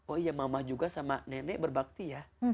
oh iya mama juga sama nenek berbakti ya